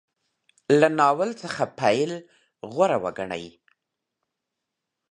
له ناول څخه پیل غوره وګڼي.